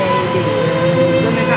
để dân dân các anh